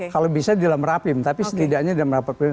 kalau bisa dalam rapim tapi setidaknya dalam rapat pleno